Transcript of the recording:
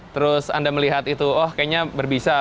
terus anda melihat itu oh kayaknya berbisa